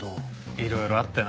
いろいろあってな。